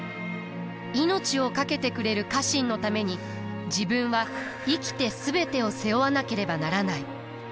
命を懸けてくれる家臣のために自分は生きて全てを背負わなければならない。